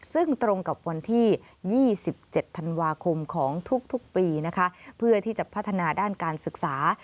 ซึ่งตรงกับวันที่๒๗ธันวาคมของทุกปีนะคะเพื่อที่จะพัฒนาด้านการศึกษา